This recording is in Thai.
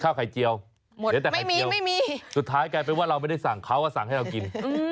ข้าวไข่เจียวเหลือแต่ไข่มีไม่มีสุดท้ายกลายเป็นว่าเราไม่ได้สั่งเขาก็สั่งให้เรากิน